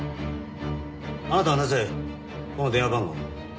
あなたはなぜこの電話番号を？